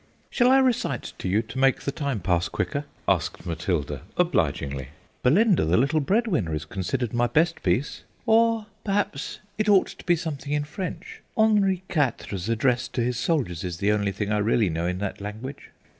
"Shall I recite to you to make the time pass quicker?" asked Matilda obligingly. "'Belinda, the little Breadwinner,' is considered my best piece, or, perhaps, it ought to be something in French. Henri Quatre's address to his soldiers is the only thing I really know in that language."